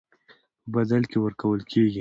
په بدل کې ورکول کېږي.